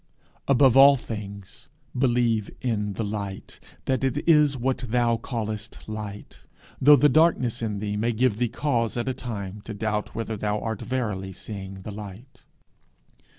Above all things believe in the light, that it is what thou callest light, though the darkness in thee may give thee cause at a time to doubt whether thou art verily seeing the light.